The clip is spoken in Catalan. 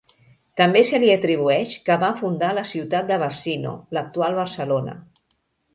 També se li atribueix que va fundar la ciutat de Barcino, l'actual Barcelona.